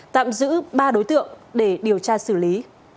tạm giữ ba đối tượng để điều tra xử lý